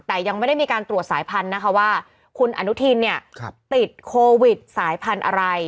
แต่ยังไม่ได้มีการตรวจสายพันธุ์นะคะว่าคุณอนุทินเนี่ยติดโควิดสายพันธุ์อะไร